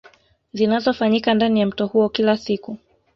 Zinazofanyika ndani ya mto huo kila siku